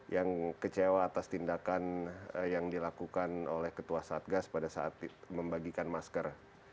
yang kecewa atas tindakan yang dilakukan oleh ketua satgas pada saat membagikan masker